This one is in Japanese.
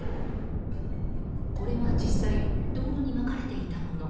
これは実際道路にまかれていたもの。